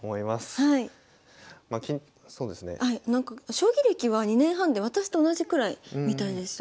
将棋歴は２年半で私と同じくらいみたいでした。